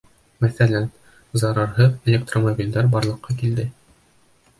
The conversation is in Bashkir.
Мәҫәлән, зарарһыҙ электромобилдәр барлыҡҡа килде.